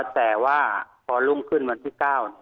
แต่ว่าพอรุ่งขึ้นวันที่๙